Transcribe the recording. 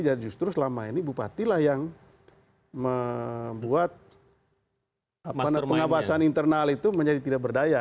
jadi justru selama ini bupatilah yang membuat pengawasan internal itu menjadi tidak berdaya